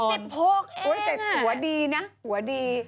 โอ้ยแต่หัวดีนะหัวดี